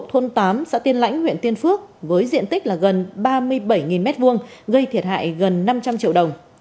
thôn tám xã tiên lãnh huyện tiên phước với diện tích gần ba mươi bảy m hai gây thiệt hại gần năm trăm linh triệu đồng